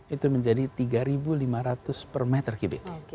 itu menjadi tiga lima ratus per meter kubik